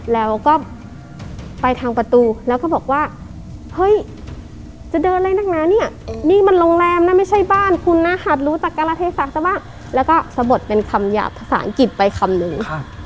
แล้วก็สะบดเป็นคำหยาบภาษาอังกฤษไปคำนึง